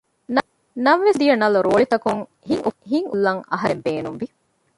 ނަމަވެސް ޖެހެމުންދިޔަ ނަލަ ރޯޅިތަކުން ހިތްއުފާކޮށްލަން އަހަރެން ބޭނުންވި